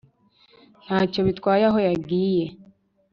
ntacyo bitwaye aho yagiye,